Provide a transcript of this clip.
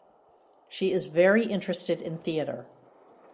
She is very interested in theater.